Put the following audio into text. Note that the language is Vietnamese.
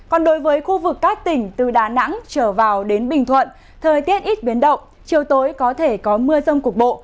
còn đối với khu vực các tỉnh từ đà nẵng trở vào đến bình thuận thời tiết ít biến động chiều tối có thể có mưa rông cục bộ